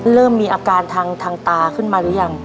เริ่มมีอาการทางตาขึ้นมาหรือยัง